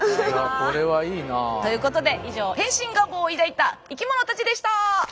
これはいいなあ。ということで以上変身願望を抱いた生きものたちでした！